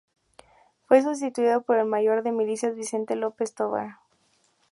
Fue sustituido por el mayor de milicias Vicente López Tovar.